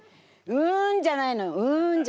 「うん」じゃないの。